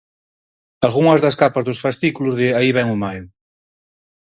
Algunhas das capas dos fascículos de 'Aí vén o maio!'.